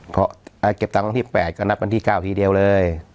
เพราะเก็บตังค์วันที่๘ก็นับวันที่๙ทีเดียวเลย